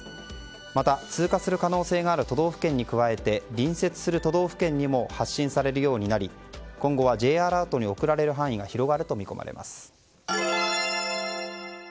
また、通過する可能性がある都道府県に加えて隣接する都道府県にも発信されるようになり今後はＪアラートに送られる範囲が広がると見込まれます。